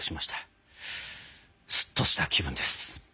すっとした気分です。